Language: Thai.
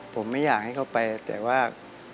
ผมไม่อยากให้เขาไปแต่ว่า